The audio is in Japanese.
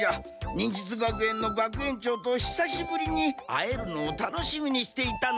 忍術学園の学園長と久しぶりに会えるのを楽しみにしていたのに。